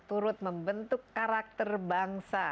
turut membentuk karakter bangsa